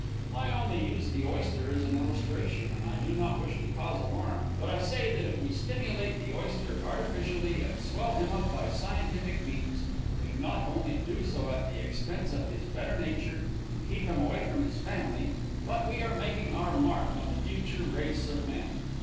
I only use the oyster as an illustration, and I do not wish to cause alarm, but I say that if we stimulate the oyster artificially and swell him up by scientific means, we not only do so at the expense of his better nature and keep him away from his family, but we are making our mark on the future race of men.